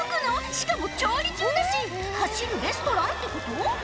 しかも調理中だし走るレストランってこと？